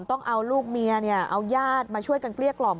ต้องเอาลูกเมียเอาญาติมาช่วยกันเกลี้ยกล่อม